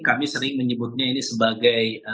kami sering menyebutnya ini sebagai